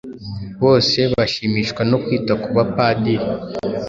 Bose bashimishwa no kwita ku bapadiri.